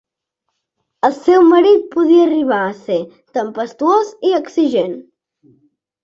El seu marit podia arribar a ser tempestuós i exigent.